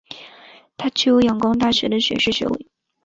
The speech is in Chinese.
他具有仰光大学的学士学位。